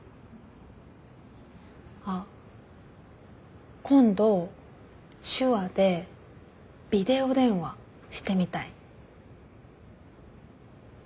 あっ今度手話でビデオ電話してみたい。